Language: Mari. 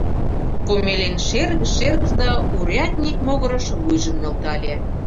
Комелин шергыш-шергыш да урядник могырыш вуйжым нӧлтале.